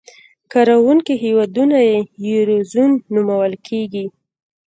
کاروونکي هېوادونه یې یورو زون نومول کېږي.